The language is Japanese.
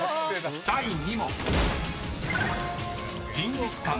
［第２問］